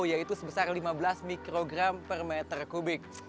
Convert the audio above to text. yaitu sebesar lima belas mikrogram per meter kubik